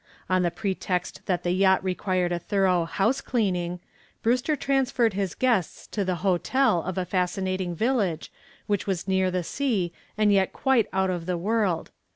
On the pretext that the yacht required a thorough "house cleaning" Brewster transferred his guests to the hotel of a fascinating village which was near the sea and yet quite out of the world.